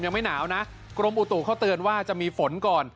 ยังไม่หนาวนะกรมอุตุเขาเตือนว่าจะมีฝนก่อน